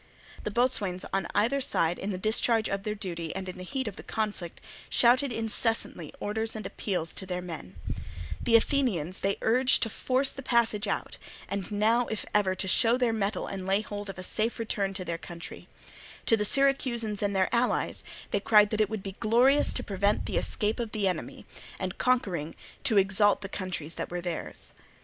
The boatswains on either side in the discharge of their duty and in the heat of the conflict shouted incessantly orders and appeals to their men; the Athenians they urged to force the passage out, and now if ever to show their mettle and lay hold of a safe return to their country; to the Syracusans and their allies they cried that it would be glorious to prevent the escape of the enemy, and, conquering, to exalt the countries that were theirs.